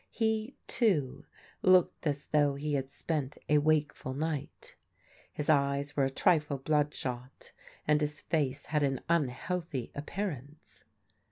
He, too, looked as though he had spent a wakeful night. His eyes were a trifle bloodshot, and his face had an unhealthy appearance.